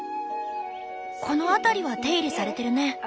この辺りは手入れされてるね。